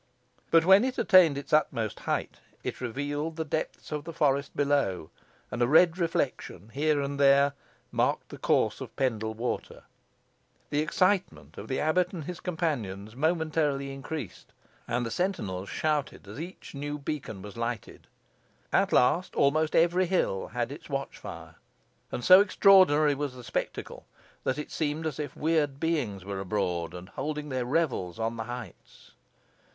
But when it attained its utmost height, it revealed the depths of the forest below, and a red reflection, here and there, marked the course of Pendle Water. The excitement of the abbot and his companions momently increased, and the sentinels shouted as each new beacon was lighted. At last, almost every hill had its watch fire, and so extraordinary was the spectacle, that it seemed as if weird beings were abroad, and holding their revels on the heights.